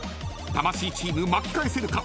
［魂チーム巻き返せるか！？］